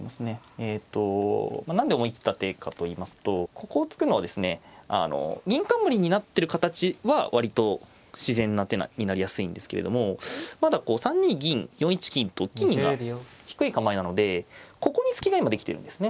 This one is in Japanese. えっと何で思い切った手かといいますとここを突くのはですね銀冠になってる形は割と自然な手になりやすいんですけれどもまだこう３二銀４一金と金銀が低い構えなのでここに隙が今できてるんですね。